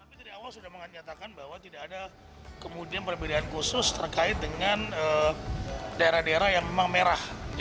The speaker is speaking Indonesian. kami dari awal sudah mengatakan bahwa tidak ada kemudian perbedaan khusus terkait dengan daerah daerah yang memang merah